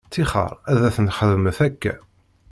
Ṭixer ad t-nxedmet akka.